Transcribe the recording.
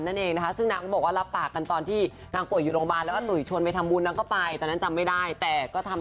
รวมไปถึงเรื่องที่นางแบบที่ทำบุญไปให้บานก่อน